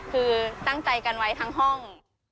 คือตั้งใจกันไว้ทั้งห้อง